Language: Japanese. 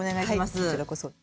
はいこちらこそ。